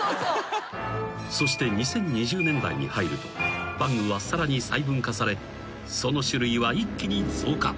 ［そして２０２０年代に入るとバングはさらに細分化されその種類は一気に増加］